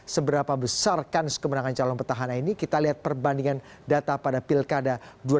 seberapa besar kan kemenangan calon petahana ini kita lihat perbandingan data pada pilkada dua ribu delapan belas